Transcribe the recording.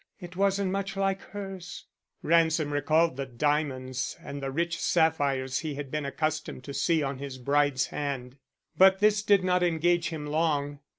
It wasn't much like hers." Ransom recalled the diamonds and the rich sapphires he had been accustomed to see on his bride's hand. But this did not engage him long.